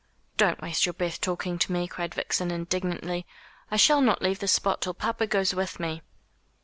"Don't waste your breath talking to me," cried Vixen indignantly; "I shall not leave this spot till papa goes with me."